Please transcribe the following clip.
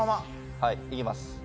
はいいきます